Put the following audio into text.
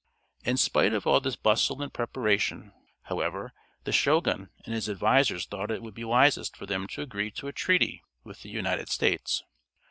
In spite of all this bustle and preparation, however, the Shogun and his advisers thought it would be wisest for them to agree to a treaty with the United States.